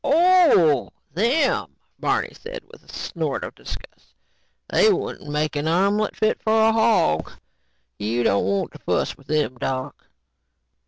"Oh, them," Barney said with a snort of disgust. "They wouldn't make an omelet fit for a hog. You don't want to fuss with them, doc."